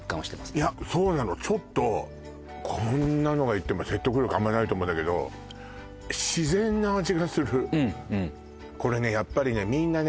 いやそうなのちょっとこんなのが言っても説得力あんまりないと思うんだけどうんうんこれねやっぱりねみんなね